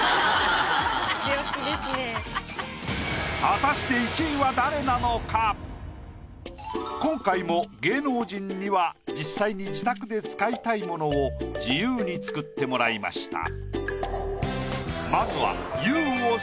果たして今回も芸能人には実際に自宅で使いたい物を自由に作ってもらいました。